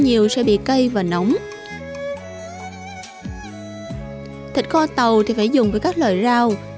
ngày nào mình đi chợ các thứ rồi